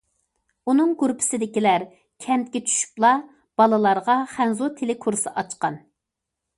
ئۇنىڭ گۇرۇپپىسىدىكىلەر كەنتكە چۈشۈپلا بالىلارغا خەنزۇ تىلى كۇرسى ئاچقان.